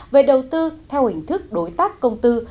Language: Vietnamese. về đầu tư theo hình thức đối tác công tư